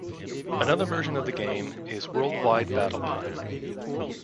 Another version of the game is "World Wide Battle Plan".